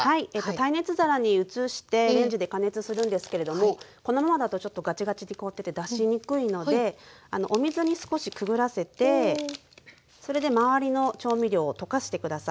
耐熱皿に移してレンジで加熱するんですけれどもこのままだとガチガチに凍ってて出しにくいのでお水に少しくぐらせてそれで周りの調味料をとかして下さい。